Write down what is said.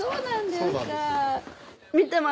そうなんです。